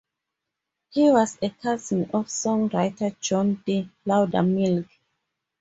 He was a cousin of songwriter John D. Loudermilk.